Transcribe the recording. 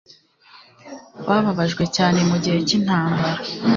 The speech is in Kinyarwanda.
Bababajwe cyane mugihe cyintambara.